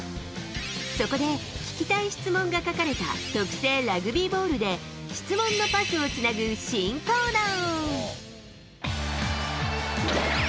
そこで、聞きたい質問が書かれた特製ラグビーボールで、質問のパスをつなぐ新コーナー。